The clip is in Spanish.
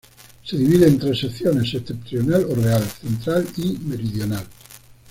Se divide en tres secciones: Septentrional o Real, Central y Meridional.